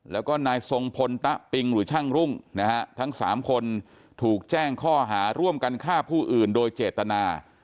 แล้วก็นายทรงพลตะปิงหรือช่างรุ่งนะฮะทั้งสามคนถูกแจ้งข้อหาร่วมกันฆ่าผู้อื่นโดยเจตนา